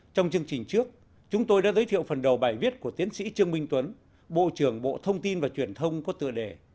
trong chương trình trước chúng tôi đã giới thiệu phần đầu bài viết của tiến sĩ trương minh tuấn bộ trưởng bộ thông tin và truyền thông có tựa đề